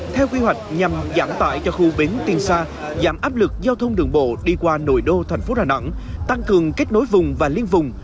theo quy hoạch nhằm giảm tải cho khu bến tiên sa giảm áp lực giao thông đường bộ đi qua nội đô thành phố đà nẵng tăng cường kết nối vùng và liên vùng